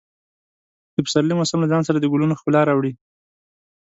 د پسرلي موسم له ځان سره د ګلونو ښکلا راوړي.